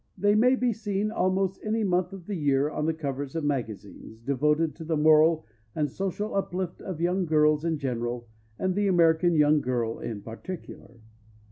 They may be seen almost any month of the year on the covers of magazines, devoted to the moral and social uplift of young girls in general, and the American young girl in particular.